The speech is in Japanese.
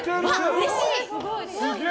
うれしい！